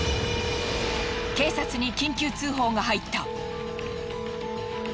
警察に緊急通報が入った。